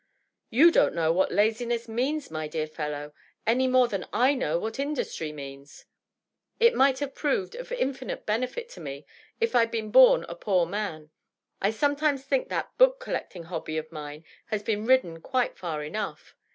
" You don't know what laziness means, my dear fellow, any more than I know what industry means. .. It might have proved of infinite benefit to me if I'd been bom a poor man. I sometimes think that book collecting hobby of mine has been ridden quite fiir enough.